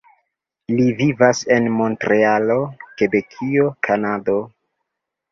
Li vivas en Montrealo, Kebekio, Kanado.